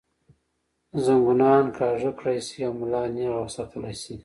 زنګونان کاږۀ کړے شي او ملا نېغه وساتلے شي